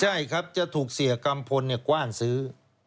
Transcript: ใช่ครับจะถูกเสียกัมพลกว้านซื้อ